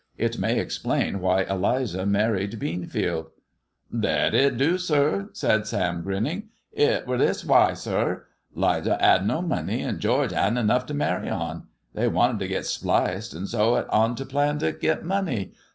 It may explain why Eliza married Beanfield." " Thet it do, sir," said Sam, grinning. " It were this waiy, sir. 'Lizer 'ad no money, an' George 'adn't enough to marry on. Th'y wanted to git spliced, an' so 'it on a plan to git money.